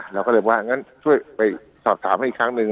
เราก็เลยว่างั้นช่วยไปสอบถามให้อีกครั้งหนึ่ง